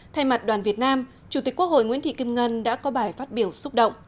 thay mặt đoàn việt nam chủ tịch quốc hội nguyễn thị kim ngân đã có bài phát biểu xúc động